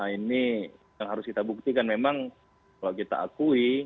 ini yang harus kita buktikan memang kalau kita akui